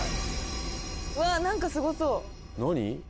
うわ何かすごそう何？